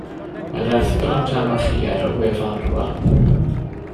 Mae'r erthygl amdanoch chi ar y wefan rŵan.